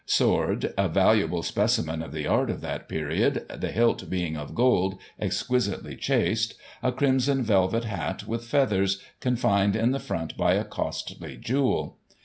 Sword, a valuable specimen of the art of that period, the hilt being of gold, exquisitely chased ; a crimson velvet hat with feathers, confined in the front by a costly jewel.